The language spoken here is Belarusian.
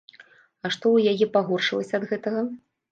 А што ў яе пагоршылася ад гэтага?